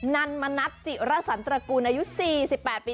นันมณัติจิรสันตรกูนายุที่๔๘ปี